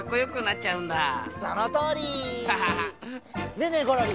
ねえねえゴロリ